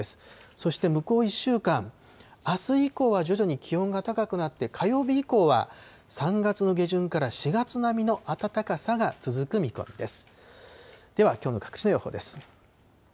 そして向こう１週間、あす以降は徐々に気温が高くなって、火曜日以降は３月の下旬から４月並みの暖かさが続く見込みです。